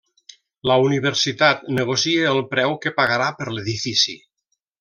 La Universitat negocia el preu que pagarà per l'edifici.